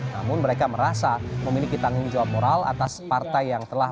namun mereka merasa memiliki tanggung jawab moral atas partai